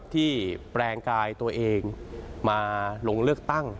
แปลงกายตัวเองมาลงเลือกตั้ง